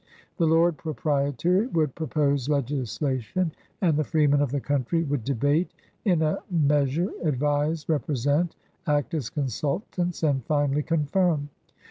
The Lord Proprietary would propose legislation, and the freemen of the country would debaije, in a meas ure advise, represent, act as consultants, and finally confirm.